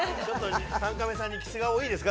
３カメさんにキス顔、いいですか？